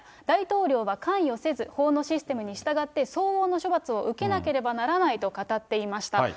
大統領は関与せず、法のシステムに従って相応の処罰を受けなければならないと語っていました。